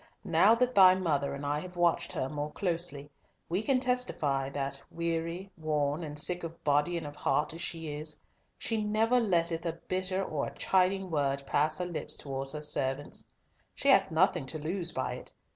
"Now that thy mother and I have watched her more closely, we can testify that, weary, worn, and sick of body and of heart as she is, she never letteth a bitter or a chiding word pass her lips towards her servants. She hath nothing to lose by it.